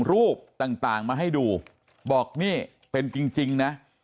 รูปต่างมาให้ดูบอกนี่เป็นจริงนะ